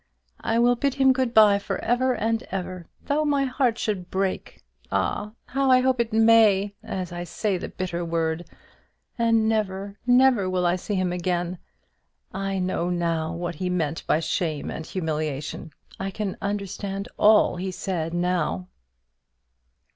"I will bid him good bye for ever and ever, though my heart should break, ah, how I hope it may, as I say the bitter word! and never, never will see him again. I know now what he meant by shame and humiliation; I can understand all he said now."